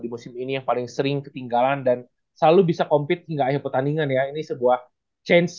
cukup oke nantinya di playoff